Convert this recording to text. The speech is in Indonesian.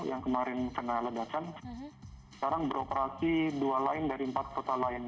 yang kemarin kena ledakan sekarang beroperasi dua lain dari empat kota lain